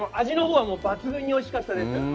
味のほうは、もう抜群においしかったです。